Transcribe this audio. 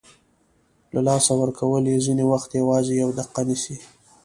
له لاسه ورکول یې ځینې وخت یوازې یوه دقیقه نیسي.